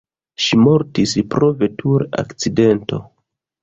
Ŝi mortis pro vetur-akcidento.